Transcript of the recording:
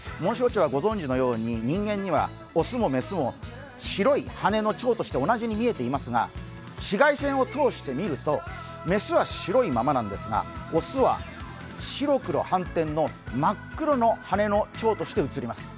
ご存じのように人間には雄も雌も白い羽のチョウとして同じに見えていますが、紫外線を通して見ると雌は白いままなんですが雄は白黒反転の真っ黒の羽のチョウとして映ります。